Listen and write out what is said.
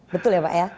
betul ya pak ya